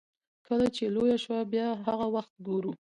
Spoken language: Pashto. کله چې لويه شوه بيا به هغه وخت ګورو.